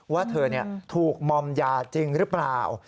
ว่าเธอถูกมอมยาจริงหรือเปล่า